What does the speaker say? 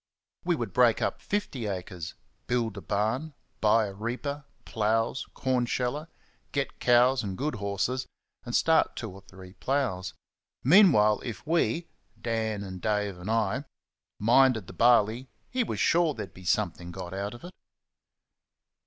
We would break up fifty acres, build a barn, buy a reaper, ploughs, cornsheller, get cows and good horses, and start two or three ploughs. Meanwhile, if we (Dan, Dave and I) minded the barley he was sure there'd be something got out of it.